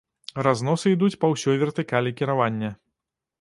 Разносы ідуць па ўсёй вертыкалі кіравання.